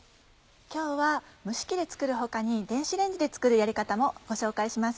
今日は蒸し器で作る他に電子レンジで作るやり方もご紹介します。